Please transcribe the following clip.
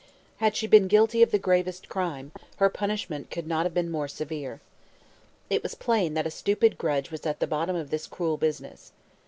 Had she been guilty of the gravest crime, her punishment could not have been more severe. It was plain that a stupid grudge was at the bottom of this cruel business.